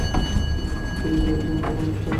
সব কিছুই বেশ জেমস বন্ড স্টাইলে।